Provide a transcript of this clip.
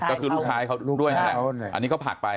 ลูกชายอันนี้เขาผักไป